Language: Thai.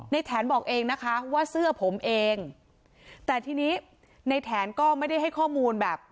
แถนบอกเองนะคะว่าเสื้อผมเองแต่ทีนี้ในแถนก็ไม่ได้ให้ข้อมูลแบบ